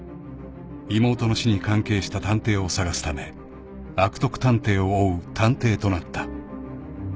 ［妹の死に関係した探偵を捜すため悪徳探偵を追う探偵となった］